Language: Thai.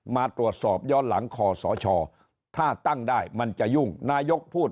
มาตรวจสอบย้อนหลังคอสชถ้าตั้งได้มันจะยุ่งนายกพูด